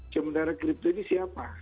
sementara kripto ini siapa